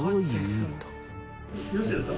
よろしいですか？